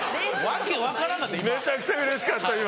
訳分からんかった今。